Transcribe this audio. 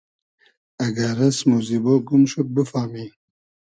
اگۂ رئسم و زیبۉ گوم شود بوفامی